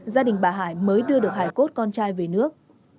gia đình bà hải mới đưa được hải cốt con trai về nước